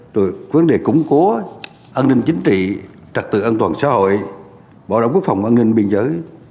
được vấn đề củng cố an ninh chính trị trật tự an toàn xã hội bảo đảm quốc phòng an ninh biên giới